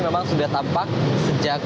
memang sudah tampak sejak